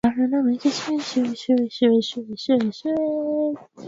Dalili ya ugonjwa wa kuoza kwato ni vidonda vyenye harufu kali katikati ya kwato